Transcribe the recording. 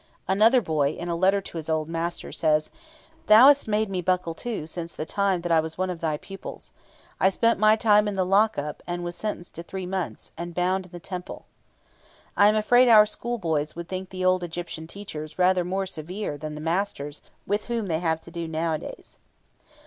Another boy, in a letter to his old master, says: "Thou hast made me buckle to since the time that I was one of thy pupils. I spent my time in the lock up, and was sentenced to three months, and bound in the temple." I am afraid our schoolboys would think the old Egyptian teachers rather more severe than the masters with whom they have to do nowadays.